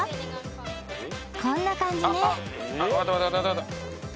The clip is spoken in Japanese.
こんな感じね。